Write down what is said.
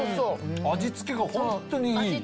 味付けがホントにいい。